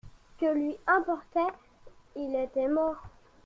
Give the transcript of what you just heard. Que lui importait ? Il était mort.